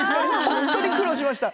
本当に苦労しました。